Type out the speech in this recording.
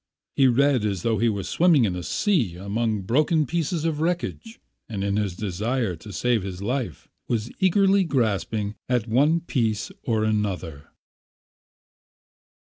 He read as though he were swimming in the sea among broken pieces of wreckage, and in his desire to save his life was eagerly grasping one piece after another.